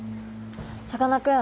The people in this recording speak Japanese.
さかなクン